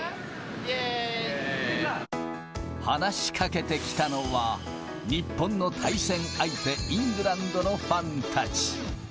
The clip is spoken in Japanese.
話しかけてきたのは、日本の対戦相手、イングランドのファンたち。